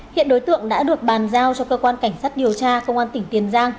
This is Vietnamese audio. hiện đối tượng đã được bàn giao cho cơ quan cảnh sát điều tra công an tỉnh tiền giang